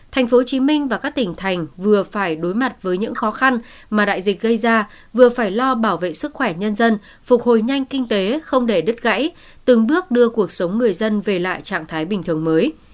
tp hcm và các tỉnh thành vừa phải đối mặt với những khó khăn mà đại dịch gây ra vừa phải lo bảo vệ sức khỏe nhân dân phục hồi nhanh kinh tế không để đứt gãy từng bước đưa cuộc sống người dân về lại trạng thái bình thường mới